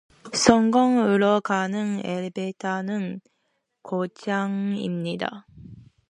성공으로 가는 엘리베이터는 고장입니다.